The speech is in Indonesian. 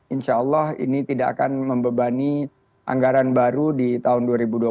insya allah ini tidak akan membebani anggaran baru di tahun dua ribu dua puluh satu